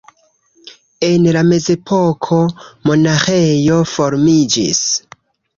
En la mezepoko monaĥejo formiĝis.